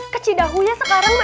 kecidahunya sekarang mak